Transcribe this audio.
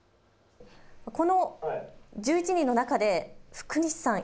この１１人の中で福西さん